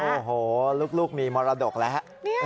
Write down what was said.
โอ้โหลูกมีมรดกแล้วฮะ